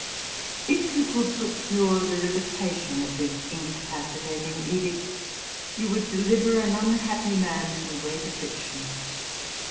If you could procure the revocation of this incapacitating edict, you would deliver an unhappy man from great affliction.